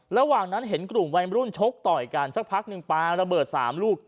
ระหว่างนั้นเห็นกลุ่มวัยรุ่นชกต่อยกันสักพักหนึ่งปลาระเบิด๓ลูก